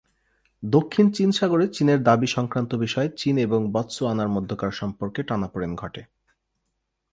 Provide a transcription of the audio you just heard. দক্ষিণ চীন সাগরে চীনের দাবি সংক্রান্ত বিষয়ে চীন এবং বতসোয়ানার মধ্যকার সম্পর্কে টানাপোড়েন ঘটে।